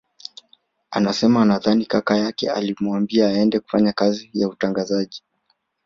Anasema anadhani kaka yake alimwambia aende kufanya kazi ya utangazaji